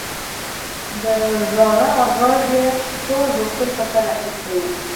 د ژړا غږ يې ټول روغتون په سر اخيستی و.